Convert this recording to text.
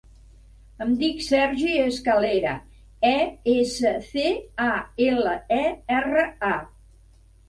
Em dic Sergi Escalera: e, essa, ce, a, ela, e, erra, a.